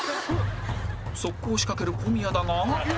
速攻を仕掛ける小宮だが